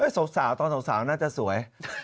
สาวสาวตอนสาวสาวน่าจะสวย